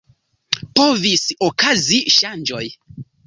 Povis okazi ŝanĝoj.